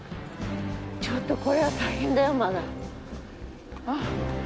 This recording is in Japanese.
ちょっとこれは大変だよまだ。